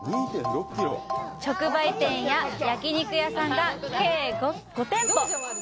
直売店や焼肉屋さんが計５店舗！